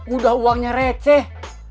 udah uangnya receh